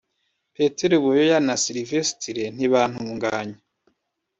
Petero Buyoya na Sylvestre Ntibantunganya